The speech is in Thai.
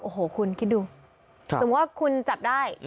โอ้โหคุณคิดดูสมมุติว่าคุณจับได้